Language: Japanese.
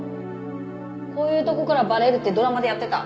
こういうところからバレるってドラマでやってた。